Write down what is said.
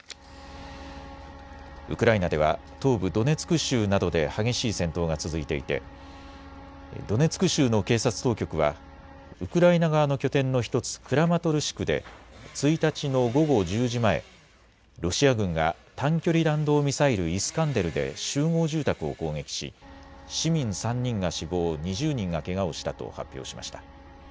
ウクライナでは東部ドネツク州などで激しい戦闘が続いていてドネツク州の警察当局はウクライナ側の拠点の１つ、クラマトルシクで１日の午後１０時前、ロシア軍が短距離弾道ミサイル、イスカンデルで集合住宅を攻撃し市民３人が死亡、２０人がけがをしたと発表しました。